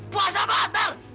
puasa apa ter